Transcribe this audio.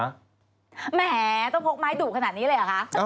แหมต้องพกไม้ดุขนาดนี้เลยเหรอคะ